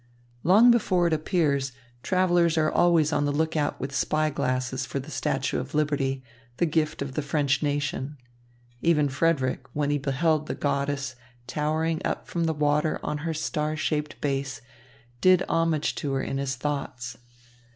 Long before it appears, travellers are always on the lookout with spy glasses for the Statue of Liberty, the gift of the French nation. Even Frederick, when he beheld the goddess towering up from the water on her star shaped base, did homage to her in his thoughts.